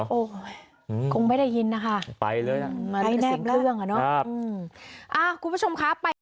โอ้ยคงไม่ได้ยินนะคะไปเลยมันเป็นเสียงเรื่องอะเนอะครับอ่าคุณผู้ชมค่ะไป